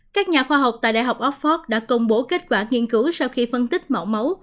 các nhà khoa học tại đại học oxford đã công bố kết quả nghiên cứu sau khi phân tích mẫu máu